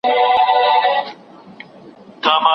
له نیکه نکل هېر سوی افسانه هغسي نه ده